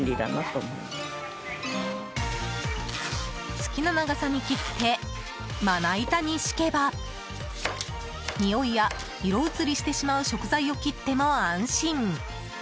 好きな長さに切ってまな板に敷けばにおいや色移りしてしまう食材を切っても安心。